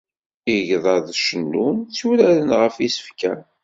Igḍaḍ cennun, tturaren ɣef yisekla.